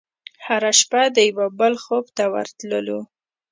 هره شپه د یوه بل خوب ته ورتللو